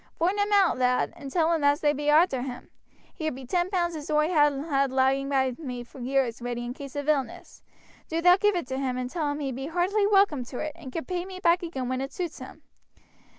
Voind him out, lad, and tell him as they be arter him. Here be ten punds as oi ha had laying by me for years ready in case of illness; do thou give it to him and tell him he be heartily welcome to it, and can pay me back agin when it suits him.